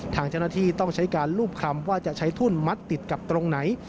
ทางเจ้าหน้าที่ต้องใช้การรูปคำว่าจะใช้ทุ่นมัดติดกับตรงไหน